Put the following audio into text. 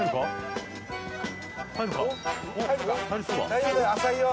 大丈夫だよ浅いよ。